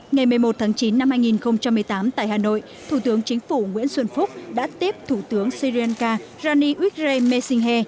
ngày một mươi một tháng chín năm hai nghìn một mươi tám tại hà nội thủ tướng chính phủ nguyễn xuân phúc đã tiếp thủ tướng syrianka raniwikre mesinghe